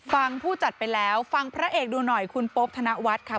ผู้จัดไปแล้วฟังพระเอกดูหน่อยคุณโป๊บธนวัฒน์ค่ะ